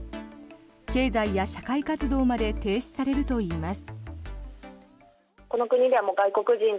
経済や社会活動まで停止されるといいます。